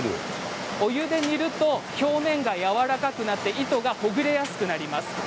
お湯で煮ると表面がやわらかくなって糸がほぐれやすくなります。